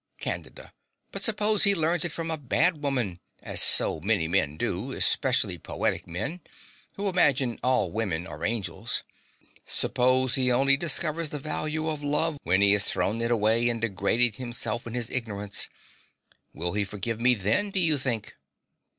CANDIDA. But suppose he learns it from a bad woman, as so many men do, especially poetic men, who imagine all women are angels! Suppose he only discovers the value of love when he has thrown it away and degraded himself in his ignorance. Will he forgive me then, do you think?